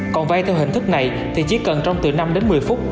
còn vay theo hình thức này thì chỉ cần trong từ năm đến một mươi phút